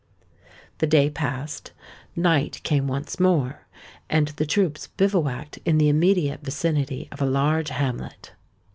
The day passed—night came once more—and the troops bivouacked in the immediate vicinity of a large hamlet.